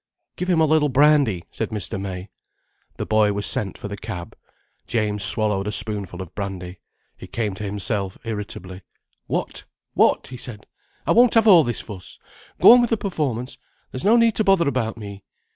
"Give him a little brandy," said Mr. May. The boy was sent for the cab, James swallowed a spoonful of brandy. He came to himself irritably. "What? What," he said. "I won't have all this fuss. Go on with the performance, there's no need to bother about me."